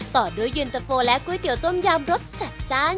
ต่อด้วยยืนเตอร์โฟและกุ้ยเตี๋ยวต้มยำรสจัดจาน